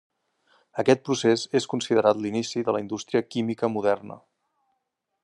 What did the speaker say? Aquest procés és considerat l'inici de la indústria química moderna.